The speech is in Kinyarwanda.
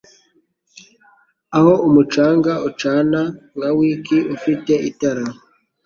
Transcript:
aho umucanga ucana nka wick ufite itara